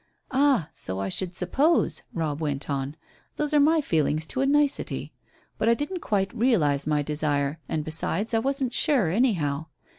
"Ah! So I should suppose," Robb went on. "Those are my feelings to a nicety. But I didn't quite realize my desire, and, besides, I wasn't sure, anyhow.